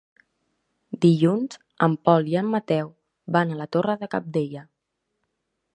Dilluns en Pol i en Mateu van a la Torre de Cabdella.